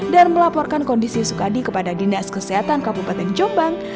dan melaporkan kondisi sukadi kepada dinas kesehatan kabupaten jombang